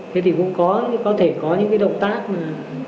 thế thì cũng có thể có những cái động tác mà